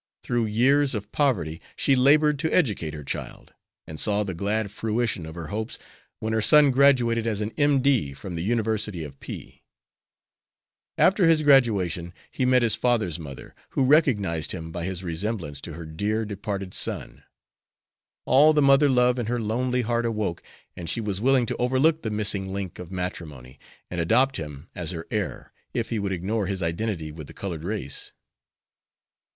Through years of poverty she labored to educate her child, and saw the glad fruition of her hopes when her son graduated as an M.D. from the University of P . After his graduation he met his father's mother, who recognized him by his resemblance to her dear, departed son. All the mother love in her lonely heart awoke, and she was willing to overlook "the missing link of matrimony," and adopt him as her heir, if he would ignore his identity with the colored race.